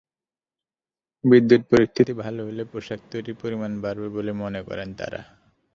বিদ্যুৎ-পরিস্থিতি ভালো হলে পোশাক তৈরির পরিমাণ বাড়বে বলে মনে করেন তাঁরা।